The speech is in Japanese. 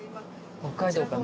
北海道かな？